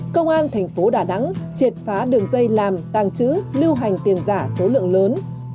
công an thành phố đà nẵng triệt phá đường dây làm tàng trữ lưu hành tiền giả số lượng lớn